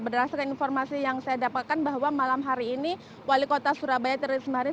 berdasarkan informasi yang saya dapatkan bahwa malam hari ini wali kota surabaya terismarin